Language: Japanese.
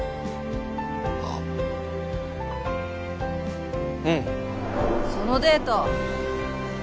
あうんそのデート